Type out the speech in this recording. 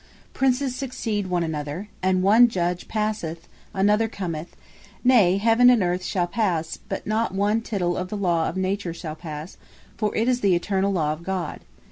Princes succeed one another; and one Judge passeth, another commeth; nay, Heaven and Earth shall passe; but not one title of the Law of Nature shall passe; for it is the Eternall Law of God.